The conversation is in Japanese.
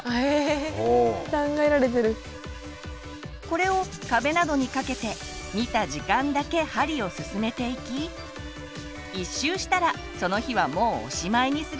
これを壁などにかけて見た時間だけ針を進めていき１周したらその日はもうおしまいにするというわけ。